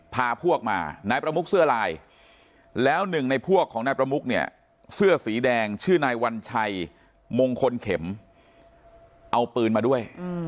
พาพวกมานายประมุกเสื้อลายแล้วหนึ่งในพวกของนายประมุกเนี่ยเสื้อสีแดงชื่อนายวัญชัยมงคลเข็มเอาปืนมาด้วย